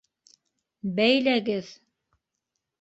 Бәйләгеҙ!